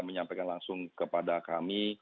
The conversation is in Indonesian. menyampaikan langsung kepada kami